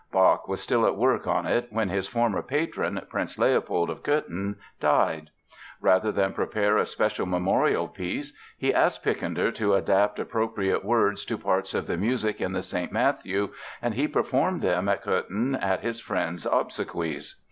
Bach was still at work on it when his former patron, Prince Leopold of Cöthen, died. Rather than prepare a special memorial piece he asked Picander to adapt appropriate words to parts of the music in the St. Matthew and he performed them in Cöthen at his friend's obsequies.